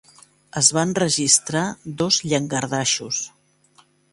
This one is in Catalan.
Es van registrar dos llangardaixos.